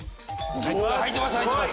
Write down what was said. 入ってます。